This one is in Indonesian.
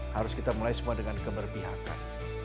harus kita mulai semua dengan keberpihakan